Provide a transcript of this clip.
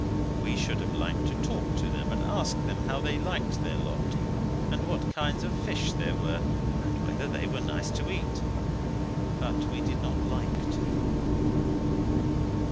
We should have liked to talk to them and ask how they liked their lot, and what kinds of fish there were, and whether they were nice to eat, but we did not like to.